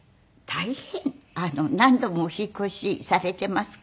何度もお引っ越しされていますか？